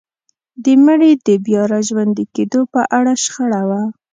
د مړي د بيا راژوندي کيدو په اړه شخړه وه.